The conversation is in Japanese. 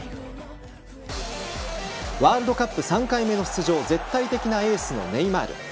ワールドカップ３回目の出場絶対的エースのネイマール。